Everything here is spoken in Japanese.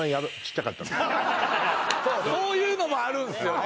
そういうのもあるんすよね